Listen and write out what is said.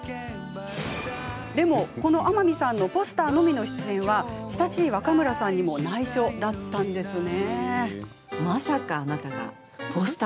でも天海さんのポスターのみの出演は親しい若村さんにも、ないしょだったんですね。